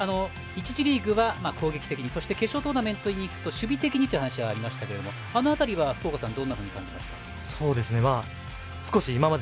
１次リーグは攻撃的にそして決勝トーナメントに行くと守備的にという話がありましたがあの辺りは、福岡さんどんなふうに感じましたか？